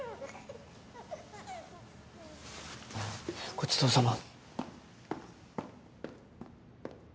ごちそうさま。